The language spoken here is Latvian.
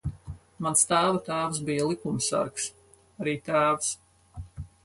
Mans tēva tēvs bija likumsargs. Arī tēvs.